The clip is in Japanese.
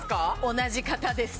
同じ方です。